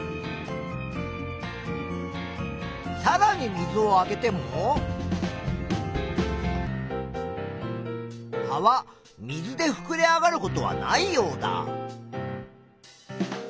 さらに水をあげても葉は水でふくれ上がることはないようだ。